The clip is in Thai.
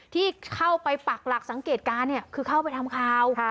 ที่เข้าไปปักหลักสังเกตการณ์คือเข้าไปทำข่าว